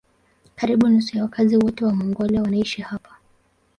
Karibu nusu ya wakazi wote wa Mongolia wanaishi hapa.